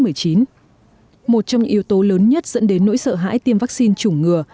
một trong những yếu tố lớn nhất dẫn đến nỗi sợ hãi tiêm vaccine chủng ngừa